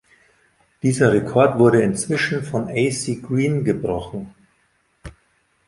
Dieser Rekord wurde inzwischen von AC Green gebrochen.